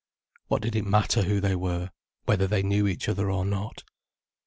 What did it matter who they were, whether they knew each other or not?